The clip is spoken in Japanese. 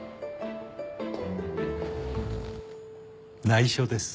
内緒です。